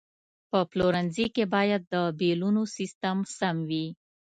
په پلورنځي کې باید د بیلونو سیستم سم وي.